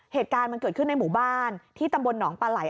เหตุการณ์มันเกิดขึ้นในหมู่บ้านที่ตำบลหนองปลาไหล